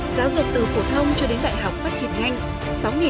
giáo dục từ phổ thông cho đến đại học phát triển nhanh